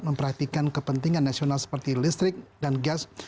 memperhatikan kepentingan nasional seperti listrik dan gas